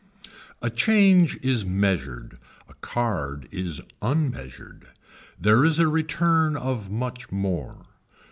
A change is measured, a card is unmeasured. There is a return of much more.